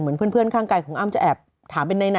เหมือนเพื่อนข้างไกลของอ้ำจะแอบถามเป็นไหน